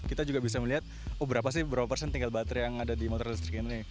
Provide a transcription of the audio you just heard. kita juga bisa melihat berapa persen tinggal baterai yang ada di motor listrik ini